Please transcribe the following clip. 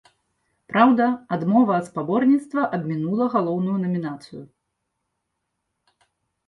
Праўда, адмова ад спаборніцтва абмінула галоўную намінацыю.